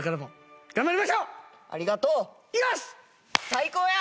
最高や！